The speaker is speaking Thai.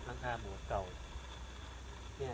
หลังคาโบสต์เก่า